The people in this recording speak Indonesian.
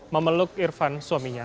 memeluk irfan suaminya